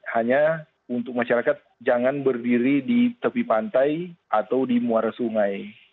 hanya untuk masyarakat jangan berdiri di tepi pantai atau di muara sungai